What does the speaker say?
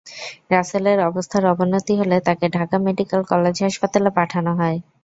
রাসেলের অবস্থার অবনতি হলে তাঁকে ঢাকা মেডিকেল হলেজ হাসপাতালে পাঠানো হয়।